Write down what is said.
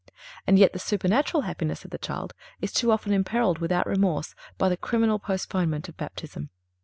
And yet the supernatural happiness of the child is too often imperiled without remorse by the criminal postponement of Baptism.